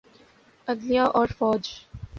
عدلیہ اورفوج۔